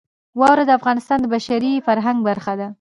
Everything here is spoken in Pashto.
واوره د افغانستان د بشري فرهنګ برخه ده.